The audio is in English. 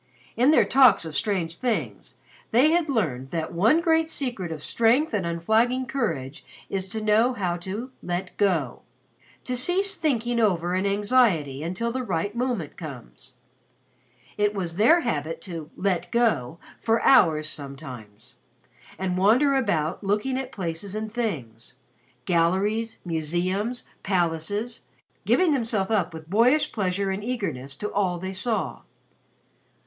In their talks of strange things they had learned that one great secret of strength and unflagging courage is to know how to "let go" to cease thinking over an anxiety until the right moment comes. It was their habit to "let go" for hours sometimes, and wander about looking at places and things galleries, museums, palaces, giving themselves up with boyish pleasure and eagerness to all they saw.